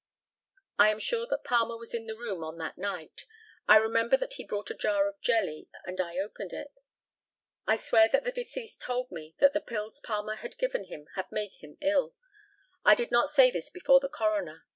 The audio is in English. I am sure that Palmer was in the room on that night. I remember that he brought a jar of jelly, and I opened it. I swear that the deceased told me that the pills Palmer had given him had made him ill. I did not say this before the coroner.